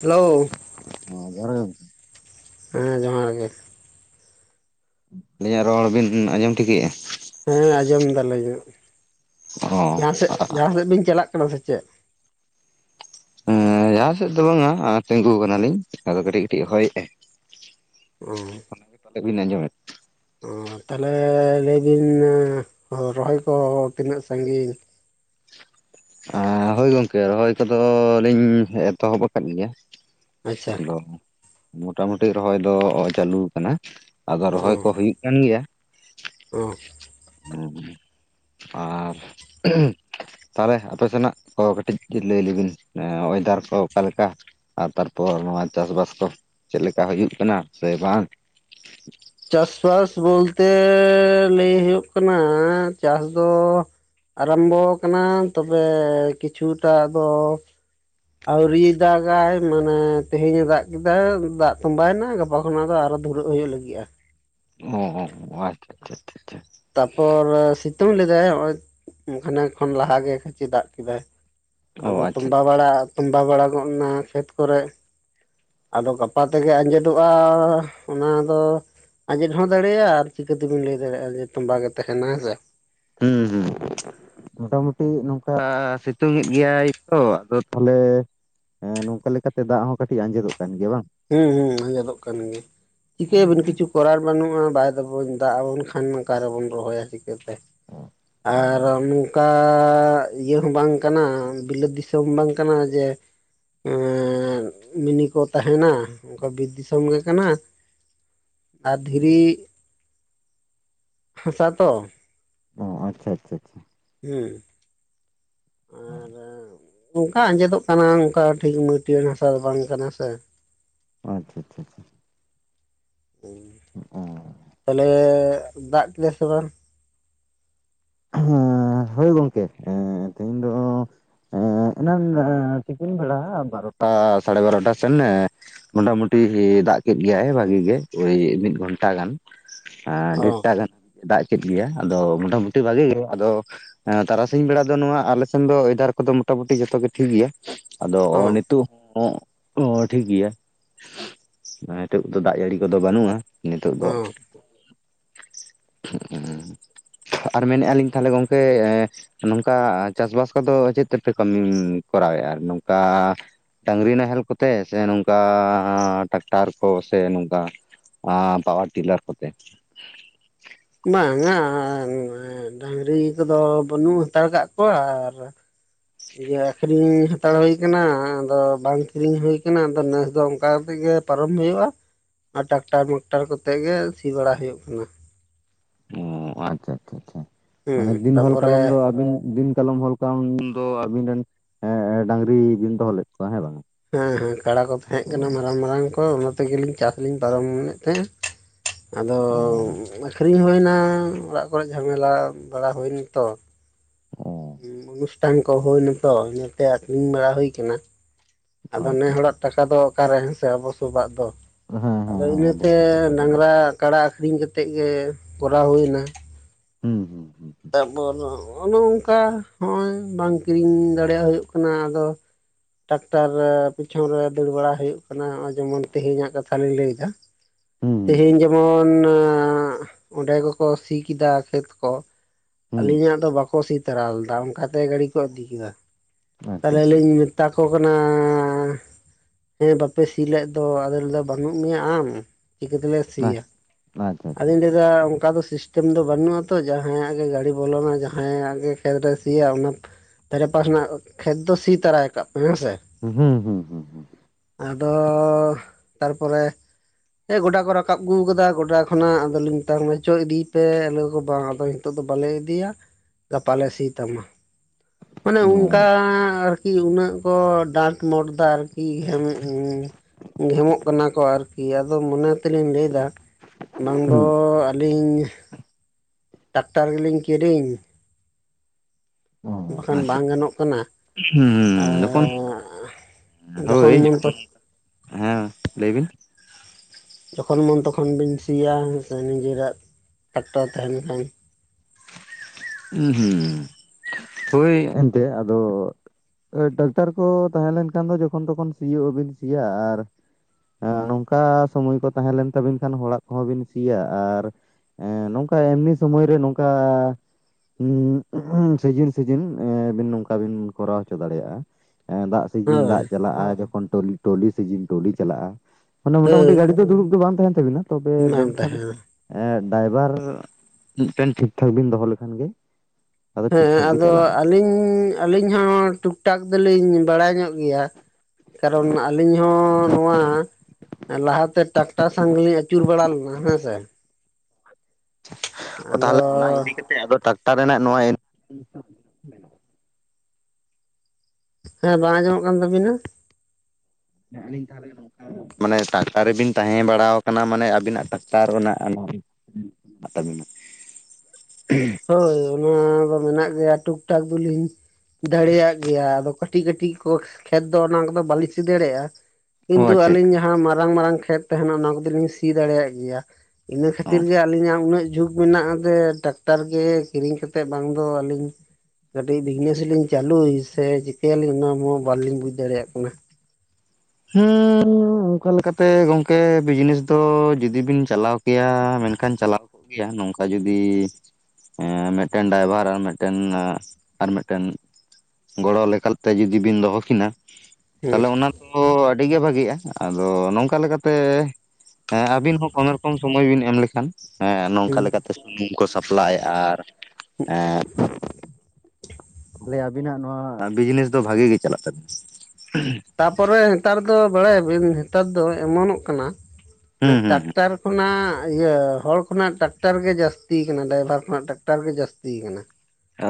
Hello. ᱦᱚᱸ, ᱡᱚᱦᱟᱨ ᱜᱮ ᱜᱚᱝᱠᱮ ᱾ ᱦᱮᱸ ᱡᱚᱦᱟᱨ ᱜᱮ ᱾ ᱟᱹᱞᱤᱧᱟᱜ ᱨᱚᱲ ᱵᱤᱱ ᱟᱸᱡᱚᱢ ᱴᱷᱤᱠᱟᱹᱮᱫ-ᱟ? ᱦᱮᱸ ᱟᱸᱡᱚᱢ ᱮᱫᱟᱞᱟᱹᱧ ᱾ ᱚ [inaudible] ᱡᱟᱦᱟᱸ ᱥᱮᱫ ᱡᱟᱦᱟᱸ ᱥᱮᱫ ᱵᱤᱱ ᱪᱟᱞᱟᱜ ᱠᱟᱱᱟ ᱥᱮ ᱪᱮᱫ? ᱦᱮᱸ, ᱡᱟᱦᱟᱸ ᱥᱮᱫ ᱫᱚ ᱵᱟᱝᱟ ᱛᱤᱸᱜᱩ ᱟᱠᱟᱱᱟᱞᱤᱧ ᱟᱫᱚ ᱠᱟᱹᱴᱤᱡ ᱠᱟᱹᱴᱤᱡ ᱦᱚᱭᱮᱜ-ᱟ ᱾ ᱚ᱾ [inaudible] ᱚᱱᱟᱜᱮ ᱯᱟᱞᱮ ᱵᱤᱱ ᱟᱸᱡᱚᱢᱮᱫ ᱾ ᱚ, ᱛᱟᱦᱚᱞᱮ ᱞᱟᱹᱭ ᱵᱤᱱ ᱨᱚᱦᱚᱭ ᱠᱚ ᱛᱤᱱᱟᱹᱜ ᱥᱟᱺᱜᱤᱧ? ᱦᱳᱭ ᱜᱚᱝᱠᱮ ᱨᱚᱦᱚᱭ ᱠᱚᱫᱚᱞᱤᱧ ᱮᱛᱚᱦᱚᱵ ᱟᱠᱟᱫ ᱜᱮᱭᱟ ᱾ ᱟᱪᱪᱷᱟ ᱟᱫᱚ [inaudible] ᱢᱚᱴᱟ ᱢᱩᱴᱤ ᱨᱚᱦᱚᱭ ᱫᱚ ᱚ ᱪᱟᱹᱞᱩ ᱟᱠᱟᱱᱟ ᱾ ᱟᱫᱚ ᱨᱚᱦᱚᱭ ᱚ ᱠᱚ ᱦᱩᱭᱩᱜ ᱠᱟᱱ ᱜᱮᱭᱟ ᱾ ᱚ ᱾ ᱦᱮᱸ ᱾ [inaudible] ᱟᱨ [inaudible] ᱛᱟᱦᱚᱞᱮ ᱟᱯᱮ ᱥᱮᱱᱟᱜ ᱠᱚ ᱠᱟᱹᱴᱤᱡ ᱞᱟᱹᱭ ᱞᱮᱵᱤᱱ ᱚᱭᱮᱫᱟᱨ ᱠᱚ ᱚᱠᱟ ᱞᱮᱠᱟ ᱾ ᱟᱨ ᱛᱟᱨᱯᱚᱨ ᱱᱚᱣᱟ ᱪᱟᱥ ᱵᱟᱥ ᱠᱚ ᱪᱮᱫ ᱞᱮᱠᱟ ᱦᱩᱭᱩᱜ ᱠᱟᱱᱟ ᱥᱮ ᱵᱟᱝ ᱾ [inaudible] ᱪᱟᱥ ᱵᱟᱥ ᱵᱚᱞᱛᱮᱻ ᱞᱟᱹᱭ ᱦᱩᱭᱩᱜ ᱠᱟᱱᱟ ᱪᱟᱥ ᱫᱚ ᱟᱨᱟᱢᱵᱚ ᱟᱠᱟᱱᱟ, ᱛᱚᱵᱮ ᱠᱤᱪᱷᱩᱴᱟᱜ ᱫᱚ ᱟᱣᱨᱤᱭ ᱫᱟᱜᱟᱭ ᱢᱟᱱᱮ ᱛᱮᱦᱮᱧ ᱮ ᱫᱟᱜ ᱠᱮᱫᱟ ᱫᱟᱜ ᱛᱚᱸᱵᱟᱭᱮᱱᱟ ᱜᱟᱯ ᱟ ᱠᱷᱚᱱᱟᱜ ᱫᱚ ᱟᱨᱚ ᱫᱷᱩᱨᱟᱹᱜ ᱦᱩᱭᱩᱜ ᱞᱟᱹᱜᱤᱫ-ᱟ ᱾ ᱦᱚ ᱦᱚ ᱚ ᱟᱪᱪᱷᱟ-ᱟᱪᱪᱷᱟ-ᱟᱪᱪᱷᱟ ᱾ ᱛᱟᱯᱚᱨ ᱥᱤᱛᱩᱝ ᱞᱮᱫᱟᱭ ᱱᱚᱜ-ᱚᱭ ᱠᱷᱟᱱᱮ ᱠᱷᱚᱱ ᱞᱟᱦᱟ ᱜᱮ ᱠᱷᱟᱹᱪᱤ ᱫᱟᱜ ᱠᱮᱫᱟᱭ ᱾ ᱚ ᱟᱫᱚ ᱟᱪᱪᱷᱟ ᱛᱚᱸᱵᱟ ᱵᱟᱲᱟ ᱛᱚᱸᱵᱟ ᱵᱟᱲᱟ ᱜᱚᱫ ᱮᱱᱟ ᱠᱷᱮᱛ ᱠᱚᱨᱮᱫ ᱾ ᱟᱫᱚ ᱜᱟᱯᱟ ᱛᱮᱜᱮ ᱟᱸᱡᱮᱫᱚᱜ-ᱟ ᱚᱱᱟ ᱫᱚ ᱾ ᱟᱸᱡᱮᱫ ᱦᱚᱸ ᱫᱟᱲᱮᱭᱟᱜ-ᱟ ᱟᱨ ᱪᱤᱠᱟᱹ ᱛᱮᱵᱤᱱ ᱞᱟᱹᱭ ᱫᱟᱲᱮᱭᱟᱜ-ᱟ ᱡᱮ ᱛᱚᱸᱵᱟ ᱜᱮ ᱛᱟᱦᱮᱱᱟ ᱦᱮᱸ ᱥᱮ ᱾ ᱦᱩᱸ ᱦᱩᱸ ᱾ ᱢᱚᱴᱟᱢᱩᱴᱤ ᱱᱚᱝᱠᱟ ᱥᱤᱛᱩᱝ ᱮᱫ ᱜᱮᱭᱟᱭ ᱛᱚ ᱟᱫᱚ ᱛᱟᱦᱚᱞᱮ ᱦᱮᱸ ᱱᱚᱝᱠᱟ ᱞᱮᱠᱟᱛᱮ ᱫᱟᱜ ᱦᱚᱸ ᱠᱟᱹᱴᱤᱡ ᱟᱸᱡᱮᱫᱚᱜ ᱠᱟᱱ ᱜᱮᱭᱟ ᱵᱟᱝ? ᱦᱩᱸ ᱦᱩᱸ ᱟᱸᱡᱮᱫᱚᱜ ᱠᱟᱱ ᱜᱮᱭᱟ ᱾ [inaudible] ᱪᱤᱠᱟᱹᱭᱟᱵᱤᱱ ᱠᱤᱪᱷᱩ ᱠᱚᱨᱟᱨ ᱵᱟᱹᱱᱩᱜ-ᱟ ᱵᱟᱭ ᱫᱚᱵᱚᱱ ᱫᱟᱜ ᱟᱵᱚᱱ ᱠᱷᱟᱱ ᱚᱠᱟ ᱨᱮᱵᱚᱱ ᱨᱚᱦᱚᱭᱟ ᱪᱤᱠᱟᱹᱛᱮ ᱾ ᱚ ᱟᱨ ᱱᱚᱝᱠᱟ ᱤᱭᱟᱹ ᱦᱚᱸ ᱵᱟᱝ ᱠᱟᱱᱟ ᱵᱤᱞᱟᱹᱛ ᱫᱤᱥᱚᱢ ᱵᱟᱝ ᱠᱟᱱᱟ ᱡᱮ [inaudible] ᱮ ᱢᱤᱱᱤ ᱠᱚ ᱛᱟᱦᱮᱸ ᱱᱟ ᱚᱱᱠᱟ ᱵᱤᱨ ᱫᱤᱥᱚᱢ ᱜᱮ ᱠᱟᱱᱟ [inaudible] ᱟᱨ ᱫᱷᱤᱨᱤ ᱦᱟᱥᱟ ᱛᱚ ᱚ ᱟᱪᱪᱷᱟ ᱟᱪᱪᱷᱟ ᱟᱪᱪᱷᱟ ᱾ ᱦᱩᱸ ᱟᱨ ᱚᱱᱠᱟ ᱟᱸᱡᱮᱫᱚᱜ ᱠᱟᱱᱟ ᱚᱱᱠᱟ ᱴᱷᱤᱠ ᱢᱟᱹᱴᱭᱟᱹᱲ ᱦᱟᱥᱟ ᱫᱚ ᱵᱟᱝ ᱠᱟᱱᱟ ᱥᱮ ᱾ ᱚ ᱟᱪᱪᱷᱟ ᱟᱪᱪᱷᱟ ᱟᱪᱪᱷᱟ ᱾ [unintelligible] [unintelligible] ᱛᱟᱦᱚᱞᱮ ᱫᱟᱜ ᱠᱮᱫᱟᱭ ᱥᱮ ᱵᱟᱝ? ᱦᱮᱸ ᱦᱳᱭ ᱜᱚᱢᱠᱮ ᱛᱮᱦᱮᱧ ᱫᱚ ᱮᱜ ᱮᱱᱟᱱ ᱛᱤᱠᱤᱱ ᱵᱮᱲᱟ ᱵᱟᱨᱚᱴᱟ ᱥᱟᱲᱮ ᱵᱟᱨᱚᱴᱟ ᱥᱮᱱ ᱮ ᱢᱚᱴᱟ ᱢᱩᱴᱤ ᱫᱟᱜ ᱠᱮᱫ ᱜᱮᱭᱟᱭ ᱵᱷᱟᱹᱜᱤ ᱜᱮ ᱳᱭ ᱢᱤᱫ ᱜᱷᱚᱱᱴᱟ ᱜᱟᱱ ᱾ ᱮᱸ ᱚ ᱰᱮᱴᱴᱟ ᱜᱟᱱ ᱫᱟᱜ ᱠᱮᱫ ᱜᱮᱭᱟ ᱟᱫᱚ ᱢᱚᱴᱟᱢᱩᱴᱤ ᱟᱹᱰᱤ ᱵᱷᱟᱹᱜᱤ ᱜᱮ ᱟᱫᱚ ᱛᱟᱨᱟᱥᱤᱧ ᱵᱮᱲᱟ ᱫᱚ ᱱᱚᱣᱟ ᱟᱞᱮ ᱥᱮᱱ ᱫᱚ ᱮᱭᱮᱫᱟᱨ ᱠᱚᱫᱚ ᱢᱚᱴᱟᱢᱩᱴᱤ ᱡᱚᱛᱚ ᱜᱮ ᱴᱷᱤᱠ ᱜᱮᱭᱟ ᱾ ᱟᱫᱚ ᱚ ᱱᱤᱛ ᱱᱤᱛᱚᱜ ᱦᱚᱸ ᱚ ᱴᱷᱤᱠ ᱜᱮᱭᱟ ᱱᱤᱛᱚᱜ ᱫᱚ ᱫᱟᱜ ᱡᱟᱹᱲᱤ ᱠᱚᱫᱚ ᱵᱟᱹᱱᱩᱜ-ᱟ᱾ ᱱᱤᱛᱚᱜ ᱫᱚ ᱚ ᱟᱨ ᱢᱮᱱᱮᱫ ᱟᱞᱤᱧ ᱛᱟᱦᱚᱞᱮ ᱜᱚᱢᱠᱮ ᱱᱚᱝᱠᱟ ᱪᱟᱥᱵᱟᱥ ᱠᱚᱫᱚ ᱪᱮᱫ ᱛᱮᱯᱮ ᱠᱟᱹᱢᱤ ᱠᱚᱨᱟᱣᱮᱫ-ᱟ ᱟᱨ ᱱᱚᱝᱠᱟ ᱰᱟᱝᱨᱤ ᱱᱟᱦᱮᱞ ᱠᱚᱛᱮ ᱥᱮ ᱱᱚᱝᱠᱟ ᱴᱟᱠᱴᱟᱨ ᱠᱚ ᱥᱮ ᱱᱚᱝᱠᱟ ᱟ ᱯᱟᱣᱟᱨ ᱴᱤᱞᱟᱨ ᱠᱚᱛᱮ? ᱵᱟᱝᱟ ᱰᱟᱝᱨᱤ ᱠᱚᱫᱚ ᱵᱟᱹᱱᱩᱜ ᱦᱟᱛᱟᱲ ᱠᱟᱜ ᱠᱚᱣᱟ ᱟᱨ [unintelligible] ᱤᱭᱟᱹ ᱟᱠᱷᱨᱤᱧ ᱦᱟᱛᱟᱲ ᱦᱩᱭ ᱟᱠᱟᱱᱟ ᱟᱫᱚ ᱵᱟᱝ ᱠᱤᱨᱤᱧ ᱦᱩᱭ ᱠᱟᱱᱟ ᱟᱫᱚ ᱱᱮᱥ ᱫᱚ ᱚᱱᱠᱟ ᱠᱟᱛᱮᱜ ᱜᱮ ᱯᱟᱨᱚᱢ ᱦᱩᱭᱩᱜ-ᱟ ᱟᱨ ᱴᱟᱠᱴᱟᱨ ᱢᱟᱠᱴᱟᱨ ᱠᱚᱛᱮ ᱜᱮ ᱥᱤ ᱵᱟᱲᱟ ᱦᱩᱭᱩᱜ ᱠᱟᱱᱟ᱾ ᱚ ᱟᱪᱪᱷᱟ ᱟᱪᱪᱷᱟ ᱟᱪᱪᱷᱟ ᱢᱟᱱᱮ ᱦᱮᱸ ᱫᱤᱱ ᱦᱚᱞ ᱠᱟᱞᱚᱢ ᱛᱟᱯᱚᱨᱮ ᱫᱚ ᱟᱵᱤᱱ ᱫᱤᱱ ᱠᱟᱞᱚᱢ ᱦᱚᱞ [unintelligible] ᱫᱚ ᱟᱵᱤᱱ ᱨᱮᱱ ᱰᱟᱝᱨᱤ ᱵᱤᱱ ᱫᱚᱦᱚ ᱞᱮᱫ ᱠᱚᱣᱟ ᱦᱮᱸ ᱵᱟᱝ᱾ ᱦᱮᱸ ᱦᱮᱸ ᱠᱟᱲᱟ ᱠᱚ ᱛᱟᱦᱮᱸ ᱚ ᱠᱟᱱᱟ ᱢᱟᱨᱟᱝ ᱢᱟᱨᱟᱝ ᱠᱚ ᱚᱱᱟ ᱛᱮᱜᱮᱞᱤᱧ ᱪᱟᱥ ᱞᱤᱧ ᱯᱟᱨᱚᱢᱮᱫ ᱛᱟᱦᱮᱸᱱᱟ ᱾ ᱟᱫᱚ ᱟᱠᱷᱨᱤᱧ ᱦᱩᱭᱱᱟ ᱚᱲᱟᱜ ᱠᱚᱨᱮ ᱡᱷᱟᱢᱮᱞᱟ ᱵᱟᱲᱟ ᱦᱩᱭᱱᱟ ᱛᱚ ᱾ [unintelligible] ᱚᱱᱩᱥᱴᱷᱟᱱ ᱠᱚ ᱦᱩᱭ ᱱᱟᱛᱚ ᱤᱱᱟᱹᱛᱮ ᱟᱠᱷᱨᱤᱧ ᱵᱟᱲᱟ ᱦᱩᱭ ᱠᱟᱱᱟ ᱾ ᱟᱫᱚ ᱟᱪᱪᱷᱟ ᱱᱮ ᱟᱪᱪᱷᱟ ᱦᱚᱲᱟᱜ ᱴᱟᱠᱟ ᱫᱚ ᱚᱠᱟᱨᱮ ᱦᱮᱸᱥᱮ ᱟᱵᱚ ᱥᱚᱵᱟᱜ ᱫᱚ ᱦᱮᱸ ᱟᱫᱚ ᱦᱮᱸ ᱦᱮᱸ ᱤᱱᱟᱹᱛᱮ ᱵᱚᱥᱚ ᱠᱟᱴᱟ ᱠᱟᱫᱟ ᱰᱟᱝᱨᱟ ᱠᱟᱰᱟ ᱟᱠᱷᱨᱤᱧ ᱠᱟᱛᱮᱜ ᱜᱮ ᱠᱚᱨᱟᱣ ᱦᱩᱭ ᱱᱟ᱾ ᱦᱩᱸ ᱦᱩᱸ ᱾ ᱛᱟᱯᱚᱨ ᱮᱱᱮ ᱚᱱᱠᱟ ᱦᱚᱸᱚᱭ ᱵᱟᱝ ᱠᱤᱨᱤᱧ ᱫᱟᱲᱮᱭᱟᱜ ᱦᱩᱭᱩᱜ ᱠᱟᱱᱟ ᱟᱫᱚ᱾ ᱴᱨᱟᱠᱴᱟᱨ ᱯᱤᱪᱷᱚᱱ ᱨᱮ ᱫᱟᱹᱲ ᱵᱟᱲᱟ ᱦᱩᱭᱩᱜ ᱠᱟᱱᱟ ᱱᱚᱜ ᱚᱭ ᱡᱮᱢᱚᱱ ᱛᱮᱦᱮᱧᱟᱜ ᱠᱟᱛᱷᱟ ᱞᱤᱧ ᱞᱟᱹᱭᱮᱫᱟ ᱾ ᱦᱩᱸ ᱛᱮᱦᱤᱧ ᱦᱩᱸ ᱡᱮᱢᱚᱱ ᱚᱸᱰᱮ ᱜᱮᱠᱚ ᱥᱤ ᱠᱮᱫᱟ ᱠᱷᱮᱛ ᱠᱚ ᱾ ᱦᱩᱸ ᱟᱹᱞᱤᱧᱟᱜ ᱫᱚ ᱵᱟᱠᱚ ᱥᱤ ᱛᱟᱨᱟ ᱞᱮᱫᱟ ᱚᱱᱠᱟᱛᱮ ᱜᱟᱹᱰᱤ ᱠᱚ ᱤᱫᱤ ᱠᱮᱫᱟ, ᱛᱟᱦᱚᱞᱮ ᱟᱪᱪᱷᱟ ᱟᱞᱤᱧ ᱟᱪᱪᱷᱟ ᱢᱮᱛᱟᱠᱚ ᱠᱟᱱᱟ ᱦᱮᱸ ᱵᱟᱯᱮ ᱥᱤ ᱞᱮᱫ ᱫᱚ ᱟᱫᱚ ᱞᱟᱹᱭ ᱫᱟ ᱵᱟᱹᱱᱩᱜ ᱢᱮᱭᱟ ᱟᱢ ᱪᱤᱠᱟᱹ ᱛᱮᱞᱮ ᱥᱤᱭᱟ ᱟᱪᱪᱷᱟ ᱟᱪᱪᱷᱟ ᱟᱫᱚᱧ ᱞᱟᱹᱭᱟ ᱚᱱᱠᱟ ᱫᱚ ᱥᱤᱥᱴᱮᱢ ᱫᱚ ᱵᱟᱹᱱᱩᱜ ᱟᱛᱚ ᱡᱟᱦᱟᱸᱭᱟᱜ ᱮ ᱜᱟᱹᱲᱤ ᱵᱚᱞᱚᱱᱟ ᱡᱟᱦᱟᱸᱭ ᱟᱜ ᱠᱷᱮᱛᱨᱮ ᱥᱤᱭᱟ ᱚᱱᱟ ᱫᱷᱟᱨᱮ ᱯᱟᱥ ᱨᱮᱱᱟᱜ ᱠᱷᱮᱛ ᱫᱚ ᱥᱤ ᱛᱟᱨᱟᱭ ᱠᱟᱜ ᱯᱮ ᱦᱮᱸ ᱥᱮ᱾ ᱦᱩᱸ ᱦᱩᱸ ᱦᱩᱸ ᱟᱫᱚ ᱛᱟᱨᱯᱚᱨᱮ ᱮ ᱜᱚᱰᱟ ᱠᱚ ᱨᱟᱠᱟᱵ ᱟᱹᱜᱩ ᱠᱟᱫᱟ ᱜᱚᱰᱟ ᱠᱷᱚᱱᱟᱜ ᱟᱫᱚᱞᱤᱧ ᱢᱮᱛᱟ ᱠᱚ ᱠᱟᱱᱟ ᱪᱚ ᱤᱫᱤᱭ ᱯᱮ ᱟᱫᱚ ᱞᱟᱹᱭ ᱫᱟᱠᱟ ᱵᱟᱝ ᱟᱫᱚ ᱱᱤᱛᱚᱜ ᱫᱚ ᱵᱟᱞᱮ ᱤᱫᱤᱭᱟ ᱜᱟᱯᱟᱞᱮ ᱥᱤᱭ ᱛᱟᱢᱟ᱾ ᱢᱟᱱᱮ ᱚᱝᱠᱟ ᱚ ᱟᱨ ᱠᱤ ᱩᱱᱟᱹᱜ ᱠᱚ ᱰᱟᱴ ᱢᱚᱴ ᱫᱟ ᱟᱨᱠᱤ ᱜᱷᱮᱢ ᱜᱷᱮᱢᱚᱜ ᱠᱟᱱᱟ ᱠᱚ ᱟᱨ ᱠᱤ ᱟᱫᱚ ᱢᱚᱱᱮ ᱛᱮᱞᱤᱧ ᱞᱮᱭᱫᱟ ᱵᱟᱝ ᱦᱩᱸ ᱫᱚ ᱟᱹᱞᱤᱧ ᱴᱟᱠᱴᱟᱨ ᱜᱤᱞᱤᱧ ᱠᱤᱨᱤᱧ᱾ ᱚ ᱵᱟᱠᱷᱟᱱ ᱟᱪᱪᱷᱟ ᱵᱟᱝ ᱜᱟᱱᱚᱜ ᱠᱟᱱᱟ, ᱟ ᱦᱩᱸ ᱡᱚᱠᱷᱚᱱ ᱡᱚᱠᱷᱚᱱ ᱦᱳᱭ ᱢᱚᱱ ᱛᱚᱠᱷᱚᱱ ᱦᱮᱸ ᱞᱟᱹᱭ ᱵᱤᱱ? ᱡᱚᱠᱷᱚᱱ ᱢᱚᱱ ᱛᱚᱠᱷᱚᱱ ᱵᱤᱱ ᱥᱤᱭᱟ ᱦᱮᱸᱥᱮ ᱱᱤᱡᱮᱨᱟᱜ ᱴᱟᱠᱴᱟᱨ ᱛᱟᱦᱮᱱ ᱠᱷᱟᱱ ᱾ ᱩᱸ ᱦᱩᱸ ᱦᱳᱭ ᱮᱱᱛᱮᱫ ᱟᱫᱚ ᱴᱟᱠᱛᱟᱨ ᱠᱚ ᱛᱟᱦᱮᱸ ᱞᱮᱱᱠᱷᱟᱱ ᱫᱚ ᱡᱚᱠᱷᱚᱱ ᱛᱚᱠᱷᱚᱱ ᱥᱤᱭᱳᱜᱼᱟᱵᱤᱱ ᱥᱤᱭᱟ ᱟᱨ ᱟ ᱱᱚᱝᱠᱟ ᱥᱚᱢᱚᱭ ᱠᱚ ᱛᱟᱦᱮᱸ ᱞᱮᱱ ᱛᱟᱵᱤᱱ ᱠᱷᱟᱱ ᱦᱚᱲᱟᱜ ᱠᱚᱦᱚᱸ ᱵᱤᱱ ᱥᱤᱭᱟ ᱟᱨ ᱮᱸ ᱱᱚᱝᱠᱟ ᱮᱢᱱᱤ ᱥᱚᱢᱚᱭ ᱨᱮ ᱱᱚᱝᱠᱟ ᱦᱩᱸ ᱥᱤᱡᱤᱱ ᱥᱤᱡᱤᱱ ᱮᱸ ᱱᱚᱝᱠᱟ ᱵᱤᱱ ᱠᱚᱨᱟᱣ ᱦᱚᱪᱚ ᱫᱟᱲᱮᱭᱟᱜᱼᱟ ᱮᱸ ᱫᱟᱜ ᱥᱤᱡᱤᱱ ᱫᱟᱜ ᱦᱳᱭ ᱪᱟᱞᱟᱜᱼᱟ, ᱡᱚᱠᱷᱚᱱ ᱴᱚᱞᱤ ᱴᱚᱞᱤ ᱥᱤᱡᱤᱱ ᱴᱚᱞᱤ ᱪᱟᱞᱟᱜᱼᱟ᱾ ᱢᱟᱱᱮ ᱦᱳᱭ ᱢᱚᱴᱟᱢᱩᱴᱤ ᱜᱟᱹᱲᱤ ᱫᱚ ᱫᱩᱲᱩᱵ ᱫᱚ ᱵᱟᱝ ᱛᱟᱦᱮᱱ ᱛᱟᱵᱤᱱᱟ ᱛᱚᱵᱮ ᱵᱟᱝ ᱢᱮᱱᱠᱷᱟᱱ ᱛᱟᱦᱮᱱᱟ ᱮᱸᱜ ᱰᱟᱭᱵᱷᱟᱨ ᱢᱤᱫᱴᱮᱱ ᱴᱷᱤᱠᱴᱷᱟᱠ ᱵᱤᱱ ᱫᱚᱦᱚ ᱞᱮᱠᱷᱟᱱ ᱜᱮ ᱟᱫᱚ ᱴᱷᱤᱠ ᱦᱮᱸ ᱴᱷᱟᱠ ᱜᱮ ᱟᱫᱚ ᱪᱟᱞᱟᱜᱼᱟ ᱟᱹᱞᱤᱧ ᱟᱹᱞᱤᱧ ᱦᱚᱸ ᱴᱩᱠ ᱴᱟᱠ ᱫᱚᱞᱤᱧ ᱵᱟᱲᱟᱭ ᱧᱚᱜ ᱜᱮᱭᱟ᱾ ᱠᱟᱨᱚᱱ ᱟᱹᱞᱤᱧ ᱦᱚᱸ ᱱᱚᱣᱟ ᱞᱟᱦᱟᱛᱮ ᱴᱟᱠ ᱴᱟᱨ ᱥᱟᱝ ᱜᱤᱞᱤᱧ ᱟᱪᱩᱨ ᱵᱟᱲᱟ ᱞᱮᱱᱟ ᱦᱮᱸ ᱥᱮ᱾ ᱚᱻ ᱟᱫᱚ ᱛᱟᱦᱚᱞᱮ ᱚᱱᱟ ᱤᱫᱤ ᱠᱟᱛᱮᱜ ᱟᱫᱚ ᱴᱟᱠᱴᱟᱨ ᱨᱮᱱᱟᱜ ᱱᱚᱣᱟ [unintelligible] ᱢᱮᱱᱟᱜᱼᱟ᱾ ᱦᱮᱸ ᱵᱟᱝ ᱟᱸᱡᱚᱢᱚᱜ ᱠᱟᱱ ᱛᱟᱵᱤᱱᱟ? ᱦᱮᱸ ᱟᱹᱞᱤᱧ ᱛᱟᱦᱚᱞᱮ ᱱᱚ ᱢᱟᱱᱮ ᱴᱟᱠᱴᱟᱨ ᱨᱮᱵᱤᱱ ᱛᱟᱦᱮᱸ ᱵᱟᱲᱟᱣ ᱠᱟᱱᱟ ᱢᱟᱱᱮ ᱟᱹᱵᱤᱱᱟᱜ ᱴᱟᱠᱴᱟᱨ ᱚᱱᱟ [unintelligible] ᱦᱮᱱᱟᱜ ᱛᱟᱵᱤᱱᱟ᱾ ᱦᱳᱭ ᱚᱱᱟ ᱫᱚ ᱢᱮᱱᱟᱜ ᱜᱮᱭᱟ ᱴᱩᱠ ᱴᱟᱠ ᱫᱩᱞᱤᱧ ᱫᱟᱲᱮᱭᱟᱜ ᱜᱮᱭᱟ ᱟᱫᱚ ᱠᱟ ᱠᱟᱹᱴᱤᱡ ᱠᱟᱹᱴᱤᱡ ᱠᱚ ᱠᱷᱮᱛ ᱫᱚ ᱚᱱᱟ ᱴᱤᱡ ᱠᱟᱹᱴᱤᱡ ᱠᱟᱹᱴᱤᱡ ᱠᱚ ᱠᱷᱮᱛᱽ ᱫᱚ ᱚᱱᱟ ᱠᱚᱫᱚ ᱵᱟᱹᱞᱤᱧ ᱥᱤ ᱫᱟᱲᱮᱭᱟᱜᱼᱟ᱾ ᱚ ᱠᱤᱱᱛᱩ ᱟᱪᱪᱷᱟ ᱟᱹᱞᱤᱧ ᱡᱟᱦᱟᱸ ᱢᱟᱨᱟᱝ ᱢᱟᱨᱟᱝ ᱠᱷᱮᱛ ᱛᱟᱦᱮᱱᱟ ᱚᱱᱟ ᱠᱚᱫᱤᱧ ᱥᱤ ᱫᱟᱲᱮᱭᱟᱜ ᱜᱮᱭᱟ ᱤᱱᱟᱹ ᱚ ᱠᱷᱟᱹᱛᱤᱨ ᱜᱮ ᱟᱹᱞᱤᱧᱟᱜ ᱩᱱᱟᱹᱜ ᱡᱷᱩᱠ ᱢᱮᱱᱟᱜᱼᱟ ᱡᱮ ᱴᱟᱠ ᱴᱟᱨ ᱜᱮ ᱠᱤᱨᱤᱧ ᱠᱟᱛᱮᱫ ᱵᱟᱝ ᱫᱚ ᱟᱹᱞᱤᱧ ᱠᱟᱹᱴᱤᱡ ᱵᱤᱡᱽᱱᱮᱥ ᱞᱤᱧ ᱪᱟᱹᱞᱩᱭ ᱥᱮ ᱪᱤᱠᱟᱹᱭᱟᱞᱤᱧ ᱚᱱᱟ ᱦᱚᱸ ᱵᱟᱞᱤᱧ ᱵᱩᱡᱽ ᱫᱟᱲᱮᱭᱟᱜ ᱠᱟᱱᱟ᱾ ᱦᱩᱸ ᱚᱝᱠᱟ ᱞᱮᱠᱟᱛᱮ ᱜᱚᱝᱠᱮ ᱵᱤᱡᱽᱱᱮᱥ ᱫᱚ ᱡᱩᱫᱤ ᱵᱤᱱ ᱪᱟᱞᱟᱣ ᱠᱮᱭᱟ ᱢᱮᱱᱠᱷᱟᱱ ᱪᱟᱞᱟᱣ ᱠᱚᱜ ᱜᱮᱭᱟ ᱱᱚᱝᱠᱟ ᱡᱩᱫᱤ ᱢᱮᱫᱴᱮᱱ ᱰᱟᱭᱵᱷᱟᱨ ᱟᱨ ᱢᱮᱫᱴᱮᱝ ᱟᱨ ᱢᱮᱫᱴᱮᱱ ᱜᱚᱲᱚ ᱞᱮᱠᱟᱞᱛᱮ ᱡᱩᱫᱤ ᱵᱤᱱ ᱫᱚᱦᱚ ᱠᱤᱱᱟᱹ ᱦᱮᱸ ᱛᱟᱞᱦᱮ ᱚᱱᱟ ᱫᱚ ᱟᱹᱰᱤᱜᱮ ᱵᱷᱟᱜᱮᱜᱼᱟ ᱟᱫᱚ ᱱᱚᱝᱠᱟ ᱞᱮᱠᱟᱛᱮ ᱦᱮᱸ ᱟᱵᱤᱱ ᱦᱚᱸ ᱠᱷᱚᱢᱮᱨ ᱠᱷᱚᱢ ᱥᱚᱢᱚᱭ ᱵᱤᱱ ᱮᱢ ᱞᱮᱠᱷᱟᱱ ᱦᱮᱸ ᱱᱚᱝᱠᱟ ᱞᱮᱠᱟᱛᱮ ᱥᱩᱱᱩᱢ ᱠᱚ ᱥᱟᱯᱞᱟᱭ ᱟᱨ ᱮᱫ [unintelligible] ᱛᱟᱦᱞᱮ ᱟᱵᱤᱱᱟᱜ ᱱᱚᱣᱟ ᱵᱤᱡᱽᱱᱮᱥ ᱫᱚ ᱵᱷᱟᱜᱮ ᱜᱮ ᱪᱟᱞᱟᱜ ᱛᱟᱵᱤᱱᱟ ᱾ ᱛᱟᱯᱚᱨᱮ ᱱᱮᱛᱟᱨ ᱫᱚ ᱵᱟᱲᱟᱭᱟᱵᱤᱱ ᱱᱮᱛᱟᱨ ᱫᱚ ᱮᱢᱚᱱᱚᱜ ᱠᱟᱱᱟ ᱚᱱᱮ ᱦᱩᱸ ᱦᱩᱸ ᱴᱟᱠᱴᱟᱨ ᱠᱷᱚᱱᱟᱜ ᱤᱭᱟᱹ ᱦᱚᱲ ᱠᱷᱚᱱᱟᱜ ᱴᱟᱠᱴᱟᱨ ᱜᱮ ᱡᱟᱹᱥᱛᱤᱭ ᱠᱟᱱᱟ ᱰᱟᱭᱵᱷᱟᱨ ᱠᱷᱚᱱᱟᱜ ᱴᱟᱠᱴᱟᱨ ᱜᱮ ᱡᱟᱹᱥᱛᱤᱭ ᱠᱟᱱᱟ ᱾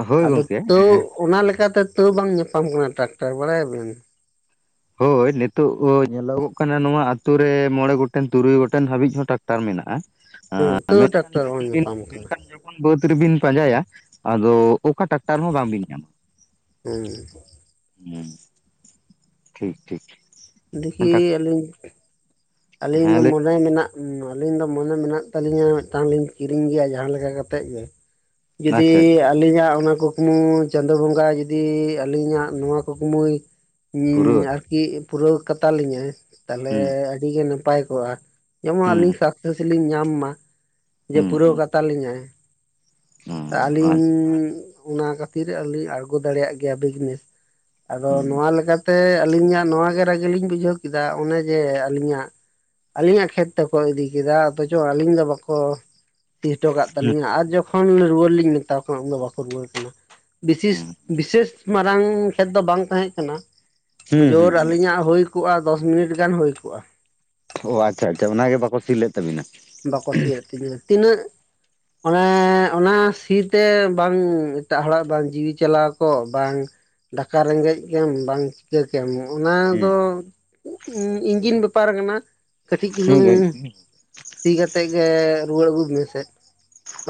ᱦᱳᱭ ᱟᱫᱚ ᱜᱚᱝᱠᱮ ᱛᱟᱹᱣ ᱚᱱᱟ ᱞᱮᱠᱟᱛᱮ ᱛᱟᱹᱣ ᱵᱟᱝ ᱧᱟᱯᱟᱢ ᱠᱟᱱᱟ ᱴᱟᱠᱴᱟᱨ ᱵᱟᱲᱟᱭᱟᱵᱤᱱ᱾ ᱦᱳᱭ ᱱᱤᱛᱚᱜ ᱧᱮᱞᱚᱜᱚᱜ ᱠᱟᱱᱟ ᱱᱚᱣᱟ ᱟᱛᱩ ᱨᱮ ᱢᱚᱬᱮ ᱜᱚᱴᱮᱱ ᱛᱩᱨᱩᱭ ᱜᱚᱴᱮᱱ ᱦᱟᱹᱵᱤᱡ ᱦᱚᱸ ᱴᱟᱠᱴᱟᱨ ᱢᱮᱱᱟᱜᱼᱟ ᱾ ᱦᱮᱸ ᱟᱸ ᱛᱟᱹᱣ ᱢᱮᱱᱠᱷᱟᱱ ᱴᱨᱟᱠᱴᱟᱨ ᱡᱚᱠᱷᱚᱱ ᱵᱟᱝ ᱵᱤᱱ ᱧᱟᱯᱟᱢ ᱠᱟᱱᱟ ᱢᱮᱱᱠᱷᱟᱱ ᱡᱚᱠᱷᱚᱱ ᱵᱟᱹᱫ ᱨᱤᱵᱤᱱ ᱯᱟᱸᱡᱟᱭᱟ ᱟᱫᱚ ᱚᱠᱟ ᱴᱟᱠᱴᱟᱨ ᱦᱚᱸ ᱵᱟᱝᱵᱤᱱ ᱧᱟᱢᱟ᱾ ᱦᱩᱸ᱾ ᱦᱩᱸ᱾ ᱴᱷᱤᱠ ᱴᱷᱤᱠ᱾ ᱫᱤᱠᱷᱤ ᱴᱟᱠᱴᱟᱨ ᱟᱹᱞᱤᱧ ᱟᱹᱞᱤᱧ ᱦᱮᱸ ᱫᱚ ᱞᱟᱹᱭ ᱢᱚᱱᱮ ᱢᱮᱱᱟᱜ ᱩᱸ ᱟᱹᱞᱤᱧ ᱫᱚ ᱢᱚᱱᱮ ᱢᱮᱱᱟᱜ ᱛᱟᱹᱞᱤᱧᱟ ᱢᱤᱫᱴᱟᱝ ᱞᱤᱧ ᱠᱤᱨᱤᱧ ᱜᱮᱭᱟ ᱡᱟᱦᱟᱸ ᱞᱮᱠᱟ‌ ᱠᱟᱛᱮᱜ ᱜᱮ᱾ ᱡᱩᱫᱤ ᱟᱪᱪᱷᱟ ᱟᱪᱪᱷᱟ ᱟ ᱟᱹᱞᱤᱧᱟᱜ ᱚᱱᱟ ᱠᱩᱠᱢᱩ ᱪᱟᱸᱫᱳ ᱵᱚᱸᱜᱟ ᱡᱩᱫᱤ ᱟᱹᱞᱤᱧᱟᱜ ᱱᱚᱣᱟ ᱠᱩᱠᱢᱩᱭ ᱯᱩᱨᱟᱹᱣᱟ ᱤᱧ ᱟᱨᱠᱤ ᱯᱩᱨᱟᱹᱣ ᱠᱟᱛᱟ ᱞᱤᱧᱟᱭ᱾ ᱛᱟᱞᱦᱮ ᱦᱩᱸ ᱟᱹᱰᱤ‌ ᱜᱮ ᱱᱟᱯᱟᱭ ᱠᱚᱜ-ᱟ᱾ ᱡᱮᱢᱚᱱ ᱦᱩᱸ ᱟᱞᱤᱧ ᱥᱟᱠᱥᱮᱥ ᱞᱤᱧ ᱧᱟᱢ ᱢᱟ ᱡᱮ ᱦᱩᱸ ᱯᱩᱨᱟᱹᱣ ᱦᱩᱸ ᱠᱟᱛᱟ ᱞᱤᱧᱟᱭ᱾ ᱦᱩᱸ ᱛᱟ ᱦᱩᱸ ᱟᱞᱤᱧ ᱦᱩᱸ ᱚᱱᱟ ᱠᱷᱟᱹᱛᱤᱨ ᱟᱞᱤᱧ ᱟᱬᱜᱚ ᱫᱟᱲᱮᱭᱟᱜ ᱜᱮᱭᱟ ᱵᱤᱡᱽᱱᱮᱥ᱾ ᱟᱫᱚ ᱱᱚᱣᱟ ᱞᱮᱠᱟ ᱛᱮ ᱟᱹᱞᱤᱧᱟᱜ ᱱᱚᱣᱟ ᱜᱮ ᱨᱟᱜᱤ ᱞᱤᱧ ᱵᱩᱡᱷᱟᱹᱣ ᱠᱮᱫᱟ ᱚᱱᱮ ᱡᱮ ᱟ ᱟᱹᱞᱤᱧᱟᱜ ᱟᱹᱞᱤᱧᱟᱜ ᱠᱷᱮᱛ ᱛᱮᱠᱚ ᱤᱫᱤ ᱠᱮᱫᱟ ᱚᱛᱷᱚᱪᱚ ᱟᱹᱞᱤᱧ ᱫᱚ ᱵᱟᱠᱚ ᱥᱤ ᱦᱚᱴᱚ ᱠᱟᱜ ᱦᱩᱸ ᱛᱟᱹᱞᱤᱧᱟ ᱟᱨ ᱡᱚᱠᱷᱚᱱ ᱨᱩᱣᱟᱹᱲ ᱞᱤᱧ ᱢᱮᱛᱟᱣ ᱠᱟᱱᱟ ᱩᱱ ᱫᱚ ᱵᱟᱠᱚ ᱨᱩᱣᱟᱹᱲ ᱠᱟᱱᱟ᱾ ᱵᱤᱥᱤᱥ ᱦᱩᱸ ᱵᱤᱥᱮᱥ ᱢᱟᱨᱟᱝ ᱠᱷᱮᱛ ᱫᱚ ᱵᱟᱝ ᱛᱟᱦᱮᱸᱜ ᱠᱟᱱᱟ᱾ ᱦᱩᱸ ᱡᱳᱨ ᱦᱩᱸ ᱟᱹᱞᱤᱧᱟᱜ ᱦᱩᱭ ᱠᱩᱜ-ᱟ, ᱫᱚᱥ ᱢᱤᱱᱤᱴ ᱜᱟᱱ ᱦᱩᱭ ᱠᱩᱜ-ᱟ᱾ ᱚ ᱟᱪᱪᱷᱟ ᱟᱪᱪᱷᱟ ᱚᱱᱟ ᱜᱮ ᱵᱟᱠᱚ ᱥᱤ ᱞᱮᱫ᱾ ᱛᱟᱹᱵᱤᱱᱟ᱾ ᱵᱟᱠᱚ ᱥᱤᱭᱟᱫ ᱛᱤᱧᱟᱹ᱾ ᱛᱤᱱᱟᱹᱜ ᱚᱱᱮ ᱚᱱᱟ ᱥᱤ ᱛᱮ ᱵᱟᱝ ᱮᱴᱟᱜ ᱦᱚᱲᱟᱜ ᱵᱟᱝ ᱡᱤᱣᱤ ᱪᱟᱞᱟᱣ ᱠᱚᱜ ᱵᱟᱝ ᱫᱟᱠᱟ ᱨᱮᱸᱜᱮᱡ ᱜᱮᱢ‌ ᱵᱟᱝ ᱪᱤᱠᱟᱹ ᱠᱮᱭᱟᱢ ᱱᱚᱶᱟ᱾ ᱚᱱᱟ ᱦᱩᱸ ᱫᱚ ᱤᱧᱡᱤᱱ ᱵᱮᱯᱟᱨ ᱠᱟᱱᱟ᱾ ᱠᱟᱹᱴᱤᱡ ᱢᱤᱫ ᱪᱩᱞᱩᱝ ᱜᱷᱟᱹᱲᱤᱡ ᱥᱤ ᱠᱟᱛᱮᱜ ᱜᱮ ᱨᱩᱣᱟᱹᱲ ᱟᱹᱜᱩᱵ ᱢᱮ ᱥᱮ᱾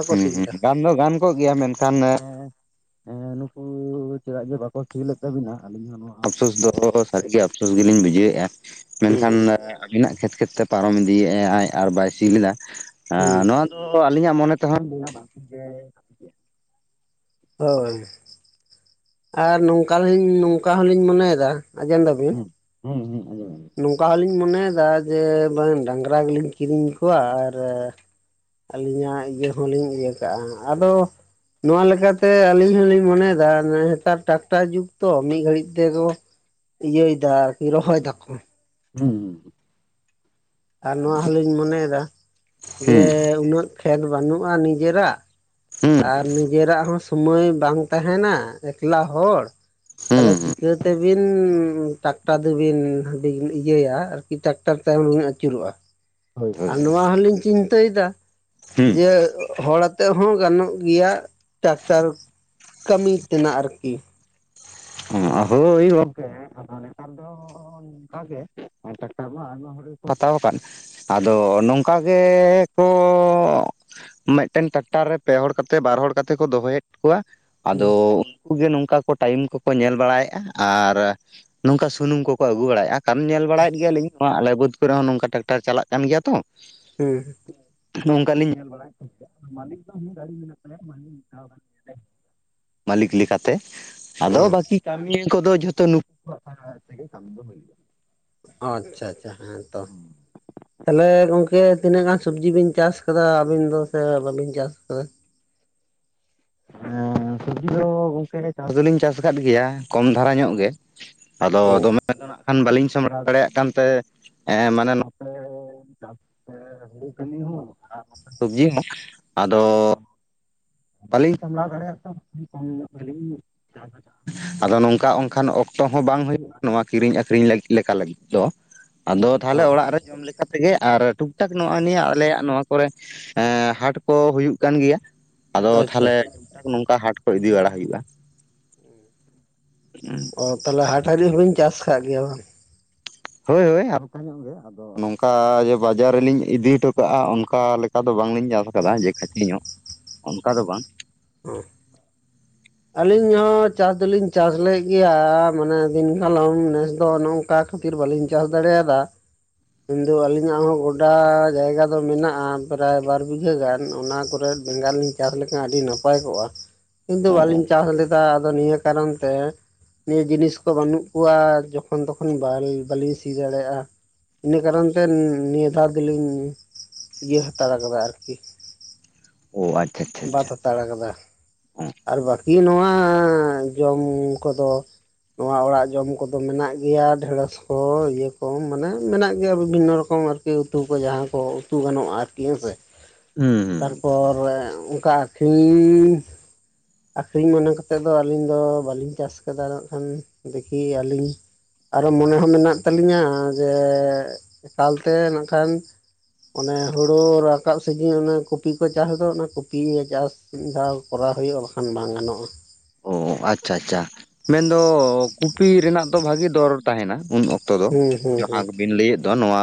ᱦᱩᱸ ᱦᱩᱸ᱾ ᱜᱟᱱ ᱫᱚ ᱜᱟᱱ ᱠᱚᱜ ᱜᱮᱭᱟ ᱢᱮᱱᱠᱷᱟᱱ ᱦᱮᱸ ᱱᱩᱠᱩ ᱪᱮᱫᱟᱜ ᱡᱮ ᱵᱟᱠᱚ ᱥᱤ ᱞᱮᱫ ᱛᱟᱹᱵᱤᱱᱟ ᱟᱞᱤᱧ ᱱᱚᱣᱟ ᱟᱯᱥᱳᱥ ᱫᱚ ᱥᱟᱹᱨᱤ ᱜᱮ ᱟᱯᱥᱳᱥ ᱜᱮᱞᱤᱧ ᱵᱩᱡᱷᱟᱹᱣᱮᱜ-ᱟ᱾ ᱢᱮᱱᱠᱷᱟᱱ ᱦᱩᱸ ᱟᱵᱤᱱᱟᱜ ᱠᱷᱮᱛ ᱠᱷᱮᱛ ᱛᱮ ᱯᱟᱨᱚᱢ ᱤᱫᱤᱭᱮᱜ-ᱟᱭ ᱟᱨ ᱵᱟᱭ ᱥᱤ ᱞᱮᱫᱟ ᱟᱨ ᱦᱩᱸ ᱱᱚᱣᱟ ᱫᱚ ᱟᱹᱞᱤᱧᱟᱜ ᱢᱚᱱᱮ ᱛᱮᱦᱚᱸ ᱞᱟᱹᱭᱟ ᱵᱟᱝ‌ ᱴᱷᱤᱠ‌ ᱜᱮ᱾ ᱦᱳᱭ᱾ ᱟᱨ ᱱᱚᱝᱠᱟ ᱞᱤᱧ ᱱᱚᱝᱠᱟ ᱦᱚᱸᱞᱤᱧ ᱢᱚᱱᱮᱭᱫᱟ ᱟᱸᱡᱚᱢ ᱫᱟᱵᱤᱱ? ᱦᱩᱸ ᱦᱩᱸ ᱟᱸᱡᱚᱢ ᱫᱟᱞᱤᱧ᱾ ᱱᱩᱝᱠᱟ ᱦᱚᱸᱞᱤᱧ ᱢᱚᱱᱮᱭᱫᱟ ᱡᱮ ᱵᱟᱝ ᱰᱟᱝᱜᱽᱨᱟ ᱜᱮᱞᱤᱧ ᱠᱤᱨᱤᱧ ᱠᱚᱣᱟ ᱟᱨ ᱟᱹᱞᱤᱧᱟᱜ ᱤᱭᱟᱹ ᱦᱚᱸ ᱞᱤᱧ ᱤᱭᱟᱹ ᱠᱟᱜ-ᱟ᱾ ᱟᱫᱚ ᱱᱚᱣᱟ ᱞᱮᱠᱟ ᱛᱮ ᱟᱹᱞᱤᱧ ᱦᱚᱸᱞᱤᱧ ᱢᱚᱱᱮᱭᱫᱟ ᱚᱱᱮ ᱦᱮᱛᱟᱨ ᱴᱟᱠᱴᱟᱨ ᱡᱩᱜᱽ ᱛᱚ ᱢᱤᱫ ᱜᱷᱟᱹᱲᱤᱡ ᱛᱮᱠᱚ ᱤᱭᱟᱹᱭ ᱫᱟ ᱟᱨᱠᱤ ᱨᱚᱦᱚᱭ ᱫᱟᱠᱚ᱾ ᱦᱩᱸ᱾ ᱟᱨ ᱱᱚᱣᱟ ᱦᱚᱸᱞᱤᱧ ᱢᱚᱱᱮᱭᱫᱟ ᱡᱮ ᱦᱩᱸ ᱩᱱᱟᱹᱜ ᱠᱷᱮᱛ ᱵᱟᱱᱩᱜ-ᱟ ᱱᱤᱡᱮᱨᱟᱜ᱾ ᱦᱩᱸ ᱟᱨ ᱱᱤᱡᱮᱨᱟᱜ ᱦᱚᱸ ᱥᱩᱢᱟᱹᱭ ᱵᱟᱝ ᱛᱟᱦᱮᱱᱟ ᱮᱠᱞᱟ ᱦᱚᱲ᱾ ᱦᱩᱸ ᱛᱟᱦᱚᱞᱮ ᱦᱩᱸ ᱪᱤᱠᱟᱹ ᱛᱮᱵᱤᱱ ᱴᱟᱠ ᱴᱟ ᱫᱩᱵᱤᱱ ᱵᱤᱱ ᱤᱭᱟᱹᱭᱟ ᱟᱨᱠᱤ ᱴᱟᱠᱴᱟᱨ ᱛᱟᱭᱚᱢ ᱵᱤᱱ ᱟᱹᱪᱩᱨᱚᱜ-ᱟ᱾ ᱦᱳᱭ ᱦᱳᱭ ᱟᱨ ᱱᱚᱣᱟ ᱦᱚᱸ ᱞᱤᱧ ᱪᱤᱱᱛᱟᱹᱭ ᱫᱟ ᱦᱩᱸ ᱡᱮ ᱦᱚᱲ ᱟᱛᱮᱜ ᱦᱚᱸ ᱜᱟᱱᱚᱜ ᱜᱮᱭᱟ᱾ ᱴᱟᱠᱴᱟᱨ ᱠᱟᱹᱢᱤ ᱛᱮᱱᱟᱜ ᱟᱨᱠᱤ᱾ ᱩᱸ ᱟ ᱦᱳᱭ ᱜᱚᱝᱠᱮ ᱟᱫᱚ ᱱᱮᱛᱟᱨ ᱫᱚ ᱚᱱᱠᱟ ᱜᱮ ᱴᱟᱠᱴᱟ ᱫᱚ [unintelligible] ᱚᱠᱚᱭ ᱠᱚ ᱦᱟᱛᱟᱣ ᱟᱠᱟᱫ᱾ ᱟᱫᱚ ᱱᱚᱝᱠᱟ ᱜᱮ ᱠᱚ ᱢᱮᱜᱴᱮᱱ ᱴᱮᱠᱴᱟᱨ ᱨᱮ ᱯᱮ ᱦᱚᱲ ᱠᱟᱛᱮ, ᱵᱟᱨ ᱦᱚᱲ ᱠᱟᱛᱮ ᱠᱚ ᱫᱚᱦᱚᱭᱮᱫ ᱠᱚᱣᱟ᱾ ᱦᱩᱸ ᱟᱫᱚ ᱩᱱᱠᱩ ᱜᱮ ᱱᱚᱝᱠᱟ ᱠᱚ ᱴᱟᱭᱤᱢ ᱠᱚ ᱠᱚ ᱧᱮᱞ ᱵᱟᱲᱟᱭᱮᱜ-ᱟ ᱟᱨᱼᱼ ᱱᱚᱝᱠᱟ ᱥᱩᱱᱩᱢ ᱠᱚᱠᱚ ᱟᱹᱜᱩ ᱵᱟᱲᱟᱭᱮᱜ-ᱟ᱾ ᱠᱟᱨᱚᱱ ᱧᱮᱞ ᱵᱟᱲᱟᱭᱮᱫ ᱜᱮᱭᱟᱞᱤᱧ ᱱᱚᱶᱟ ᱟᱞᱮ ᱵᱟᱹᱫᱽ ᱠᱚᱨᱮ ᱦᱚᱸ ᱱᱚᱝᱠᱟ ᱴᱮᱠᱴᱟᱨ ᱪᱟᱞᱟᱜ ᱠᱟᱱ ᱜᱮᱭᱟ ᱛᱚ᱾ ᱦᱩᱸ᱾ ᱱᱚᱝᱠᱟ ᱞᱤᱧ ᱧᱮᱞ ᱵᱟᱲᱟᱭᱮᱜ ᱠᱟᱱ ᱢᱟᱞᱤᱠ ᱫᱚ ᱩᱸ ᱜᱟᱲᱤ ᱢᱮᱱᱟᱜ ᱛᱟᱭᱟ‌ ᱢᱟᱞᱤᱠ‌ ᱢᱤᱫ‌ ᱫᱷᱟᱣ ᱢᱟᱞᱤᱠ ᱞᱮᱠᱟ ᱛᱮ᱾ ᱚ ᱟᱫᱚ ᱵᱟᱠᱤ ᱠᱟᱢᱤᱭᱟᱹ ᱠᱚᱫᱚ ᱡᱷᱚᱛᱚ ᱱᱩᱠᱩ [unintelligible] ᱦᱚ ᱟᱪᱪᱷᱟ ᱟᱪᱪᱷᱟ ᱦᱮᱸ ᱛᱚ᱾ ᱛᱟᱦᱚᱞᱮ ᱜᱚᱝᱠᱮ ᱛᱤᱱᱟᱹᱜ ᱜᱟᱱ ᱥᱟᱹᱵᱽᱡᱤ ᱵᱤᱱ ᱪᱟᱥ ᱠᱟᱫᱟ ᱟᱵᱤᱱ ᱫᱚ ᱥᱮ ᱵᱟᱵᱤᱱ ᱪᱟᱥ ᱠᱟᱫᱟ? ᱦᱮᱸ ᱥᱚᱵᱽᱡᱤ ᱫᱚ ᱜᱚᱝᱠᱮ ᱪᱟᱥ ᱫᱚᱞᱤᱧ ᱪᱟᱥ ᱠᱟᱫ ᱜᱮᱭᱟ ᱠᱚᱢ ᱫᱷᱟᱨᱟ ᱧᱚᱜ ᱜᱮ᱾ ᱟᱫᱚ ᱚ ᱫᱚᱢᱮ ᱟᱫᱚ ᱱᱟᱜ ᱠᱷᱟᱱ ᱵᱟᱞᱤᱧ ᱥᱟᱢᱲᱟᱣ ᱫᱟᱲᱮ ᱠᱟᱱ ᱛᱮ ᱮ ᱢᱮᱱ ᱱᱚᱛᱮ ᱮ ᱪᱟᱥ ᱦᱩᱲᱩ ᱠᱟᱹᱢᱤ ᱦᱚᱸ ᱟᱨ ᱥᱚᱵᱡᱤ ᱦᱚᱸ ᱟᱫᱚ ᱵᱟᱹᱞᱤᱧ ᱥᱟᱢᱞᱟᱣ ᱫᱟᱲᱮᱭᱟᱜ [unintelligible] ᱠᱚᱢ ᱧᱚᱜ ᱜᱮᱞᱤᱧ ᱟᱫᱚ ᱱᱚᱝᱠᱟ ᱚᱱᱠᱟᱱ ᱚᱠᱛᱚ ᱦᱚᱸ ᱵᱟᱝ ᱦᱩᱭᱩᱜᱼᱟ ᱱᱚᱣᱟ ᱠᱤᱨᱤᱧ ᱟᱠᱷᱨᱤᱧ ᱞᱮᱠᱟ ᱞᱟᱹᱜᱤᱫ᱾ ᱪᱚ ᱟᱫᱚ ᱛᱟᱦᱚᱞᱮ ᱚ ᱚᱲᱟᱜ ᱨᱮ ᱡᱚᱢ ᱛᱮᱜᱮ ᱟᱨ ᱴᱩᱠ ᱴᱟᱠ ᱱᱚᱜᱼᱚᱭ ᱱᱤᱭᱟᱹ ᱟᱞᱮᱭᱟᱜ ᱱᱚᱣᱟ ᱠᱚᱨᱮ ᱦᱟᱴ ᱠᱚ ᱦᱩᱭᱩᱜ ᱠᱟᱱ ᱜᱮᱭᱟ᱾ ᱟᱫᱚ ᱟᱪᱪᱷᱟ ᱛᱟᱦᱞᱮ ᱱᱚᱝᱠᱟ ᱦᱟᱴ ᱠᱚ ᱤᱫᱤ ᱵᱟᱲᱟ ᱦᱩᱭᱩᱜᱼᱟ᱾ ᱚ ᱛᱟᱦᱚᱞᱮ ᱦᱟᱴ ᱦᱟᱹᱨᱤᱡ ᱦᱩᱞᱤᱧ ᱪᱟᱥ ᱟᱠᱟᱫ ᱜᱮᱭᱟ ᱵᱟᱝ? ᱦᱳᱭ ᱦᱳᱭ ᱦᱟᱞᱠᱟ ᱧᱚᱜ ᱜᱮ᱾ ᱟᱫᱚ ᱱᱚᱝᱠᱟ ᱡᱮ ᱵᱟᱡᱟᱨ ᱨᱮᱞᱤᱧ ᱤᱫᱤ ᱦᱚᱴᱚ ᱠᱟᱜᱼᱟ ᱚᱱᱠᱟ ᱞᱮᱠᱟ ᱫᱚ ᱵᱟᱝᱞᱤᱧ ᱪᱟᱥ ᱟᱠᱟᱫᱟ ᱡᱮ ᱠᱷᱟᱹᱮᱪ ᱧᱚᱜ᱾ ᱚᱱᱠᱟ ᱫᱚ ᱵᱟᱝ᱾ [unintelligible] ᱟᱹᱞᱤᱧ ᱦᱚᱸ ᱪᱟᱥ ᱫᱚᱞᱤᱧ ᱪᱟᱥᱞ ᱜᱮᱭᱟ ᱢᱟᱱᱮ ᱫᱤᱱ ᱠᱟᱞᱚᱢ ᱱᱮᱥ ᱫᱚ ᱱᱚᱜᱝᱠᱟ ᱠᱷᱟᱹᱛᱤᱨ ᱵᱟᱞᱤᱧ ᱪᱟᱥ ᱫᱟᱲᱮᱭᱟᱫᱟ᱾ ᱩᱱ ᱫᱚ ᱟᱹᱞᱤᱧᱟᱜ ᱦᱚᱸ ᱜᱚᱰᱟ ᱡᱟᱭᱜᱟ ᱫᱚ ᱢᱮᱱᱟᱜᱼᱟ ᱯᱨᱟᱭ ᱵᱟᱨ ᱵᱤᱜᱷᱟᱹ ᱜᱟᱱ ᱚᱱᱟ ᱠᱚᱨᱮᱫ᱾ ᱵᱮᱜᱟᱲ ᱞᱤᱧ ᱪᱟᱥ ᱞᱮᱠᱷᱟᱱ ᱟᱹᱰᱤ ᱱᱟᱯᱟᱭ ᱠᱚᱜᱼᱟ ᱠᱤᱱᱛᱩ ᱚ ᱚ ᱵᱟᱞᱤᱧ ᱪᱟᱥ ᱞᱮᱫᱟ ᱟᱫᱚ ᱱᱤᱭᱟᱹ ᱠᱟᱨᱚᱱ ᱛᱮ᱾ ᱱᱤᱭᱟᱹ ᱡᱤᱱᱤᱥ ᱠᱚ ᱵᱟᱹᱱᱩᱜ ᱠᱚᱣᱟ ᱡᱚᱠᱷᱚᱱ ᱛᱚᱠᱷᱚᱱ ᱵᱟᱹᱞᱤᱧ ᱥᱤ ᱫᱟᱲᱮᱭᱟᱜᱼᱟ᱾ ᱤᱱᱟᱹ ᱠᱟᱨᱚᱱ ᱛᱮ ᱱᱤᱭᱟᱹ ᱫᱷᱟᱣ ᱫᱚᱞᱤᱧ ᱤᱭᱟᱹ ᱦᱟᱛᱟᱲ ᱟᱠᱟᱫᱟ ᱟᱨᱠᱤ᱾ ᱚ ᱟᱪᱷᱟᱷᱟ᱾ ᱵᱟᱛ ᱦᱟᱛᱟᱲ ᱟᱠᱟᱫᱟ ᱟᱨ ᱵᱟᱹᱠᱤ ᱱᱚᱣᱟ ᱡᱚᱢ ᱠᱚᱫᱚ᱾ ᱱᱚᱣᱟ ᱚᱲᱟᱜ ᱡᱚᱢ ᱠᱚᱫᱚ ᱢᱮᱱᱟᱜ ᱜᱮᱭᱟ ᱰᱷᱮᱲᱚᱥ ᱠᱚ ᱤᱭᱟᱹ ᱠᱚ ᱢᱟᱱᱮ ᱢᱮᱱᱟᱜ ᱜᱮᱭᱟ ᱵᱤᱵᱷᱤᱱᱱᱚ ᱨᱚᱠᱚᱢ ᱟᱨᱠᱤ᱾ ᱩᱛᱩ ᱠᱚ ᱡᱟᱦᱟᱸ ᱠᱚ ᱩᱛᱩ ᱜᱟᱱᱚᱜᱼᱟ ᱟᱨᱠᱤ ᱦᱮᱸ ᱥᱮ᱾ ᱦᱩᱸᱻ ᱯᱚᱨᱮ ᱚᱱᱠᱟ ᱟᱹᱠᱷᱨᱤᱧ ᱟᱠᱠᱷᱨᱤᱧ ᱢᱚᱱᱮ ᱠᱟᱛᱮᱫ ᱫᱚ ᱟᱹᱞᱤᱧ ᱫᱚ ᱵᱟᱹᱞᱤᱧ ᱪᱟᱥ ᱟᱠᱟᱫᱟ ᱢᱮᱱᱠᱷᱟᱱ ᱫᱤᱠᱤ ᱟᱹᱞᱤᱧ ᱟᱨᱚ ᱢᱚᱱᱮ ᱦᱚᱸ ᱢᱮᱱᱟᱜ ᱛᱟᱹᱟᱞᱤᱧᱟ ᱡᱮ ᱮᱠᱟᱞᱛᱮ ᱱᱟᱜ ᱠᱷᱟᱱ ᱚᱱᱮ ᱦᱩᱲᱳ ᱨᱟᱠᱟᱵ ᱥᱤᱡᱤᱱ ᱚᱱ ᱠᱚᱯᱤ ᱠᱚ ᱪᱟᱥᱫᱟ ᱚᱱᱟ ᱠᱚᱯᱤ ᱪᱟᱥ ᱢᱤᱫ ᱫᱷᱟᱣ ᱠᱚᱨᱟᱣ ᱦᱩᱭᱩᱜᱼᱟ ᱵᱟᱠᱷᱟᱱ ᱵᱟᱝ ᱜᱟᱱᱚᱜᱼᱟ᱾ ᱚ ᱟᱪᱪᱷᱟ ᱟᱪᱪᱷᱟ ᱢᱮᱱᱫᱚ ᱠᱩᱯᱤ ᱨᱮᱱᱟᱜ ᱫᱚ ᱵᱷᱟᱜᱤ ᱫᱚᱨ ᱛᱟᱦᱮᱱᱟ ᱩᱱ ᱚᱠᱛᱚ ᱚᱠᱛᱚ ᱫᱚ ᱦᱩᱸ ᱦᱩᱸ ᱦᱩᱸ ᱡᱟᱦᱟᱸᱵᱤᱱ ᱞᱟᱹᱭᱮᱫ ᱫᱚ ᱱᱚᱣᱟ